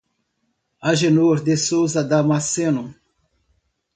Agenor de Souza Damasceno